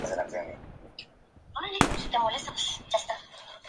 Su desarrollo gira alrededor del origen del nombre de la República Argentina.